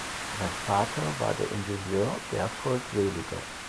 Sein Vater war der Ingenieur Berthold Seliger.